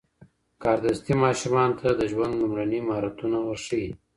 کاردستي ماشومانو ته د ژوند لومړني مهارتونه ورښيي.